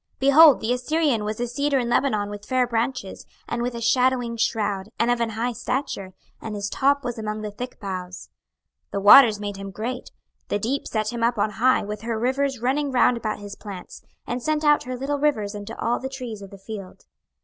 26:031:003 Behold, the Assyrian was a cedar in Lebanon with fair branches, and with a shadowing shroud, and of an high stature; and his top was among the thick boughs. 26:031:004 The waters made him great, the deep set him up on high with her rivers running round about his plants, and sent her little rivers unto all the trees of the field.